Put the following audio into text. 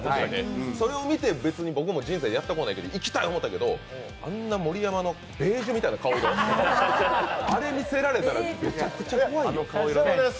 それを見て別に人生やったことない、行きたいなと思ったけどあんな盛山のベージュみたいな顔、荒れ見せられたらめちゃくちゃ怖いよ。